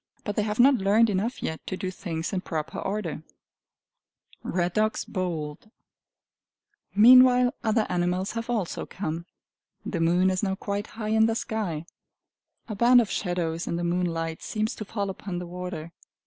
But they have not learned enough yet to do things in proper order. Red Dogs Bold, Fearing Nobody Meanwhile other animals have also come. The moon is now quite high in the sky. A band of shadows in the moonlight seems to fall upon the water.